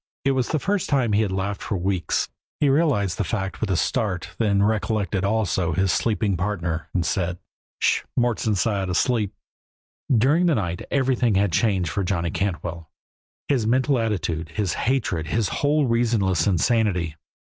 It was the first time he had laughed for weeks. He realized the fact with a start, then recollected also his sleeping partner, and said: "Sh h! Mort's inside, asleep!" During the night everything had changed for Johnny Cantwell; his mental attitude, his hatred, his whole reasonless insanity.